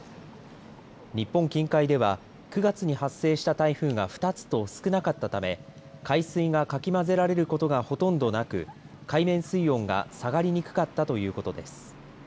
日本近海では９月に発生した台風が２つと少なかったため海水が、かき混ぜられることがほとんどなく海面水温が下がりにくかったということです。